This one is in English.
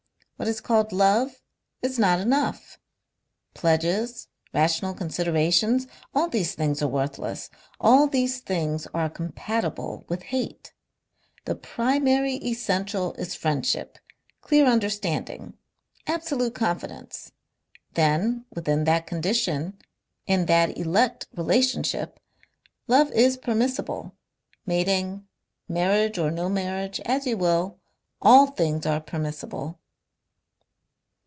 What is called love is not enough. Pledges, rational considerations, all these things are worthless. All these things are compatible with hate. The primary essential is friendship, clear understanding, absolute confidence. Then within that condition, in that elect relationship, love is permissible, mating, marriage or no marriage, as you will all things are permissible...."